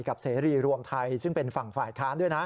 เสรีรวมไทยซึ่งเป็นฝั่งฝ่ายค้านด้วยนะ